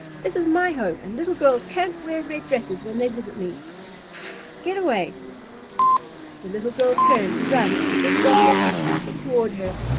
"This is my home and little girls can't wear red dresses when they visit me. Pffff! Get away!" The little girl turned to run as the big Gobbler came puffing toward her.